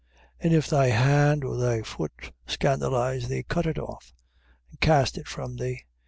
And if thy hand, or thy foot, scandalize thee, cut it off, and cast it from thee.